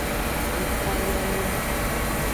Ekolialia.